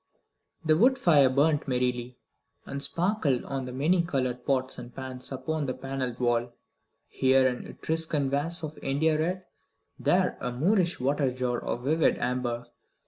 The wood fire burnt merrily, and sparkled on the many coloured pots and pans upon the panelled wall; here an Etruscan vase of India red, there a Moorish water jar of vivid amber.